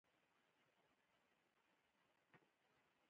هغه برخلیک چې د مایا تمدن ورسره مخ شول